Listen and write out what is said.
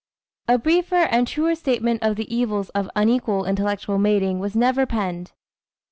A briefer and truer statement of the evils of unequal intellectual mating was never penned.